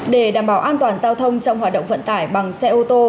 để đảm bảo an toàn giao thông trong hoạt động vận tải bằng xe ô tô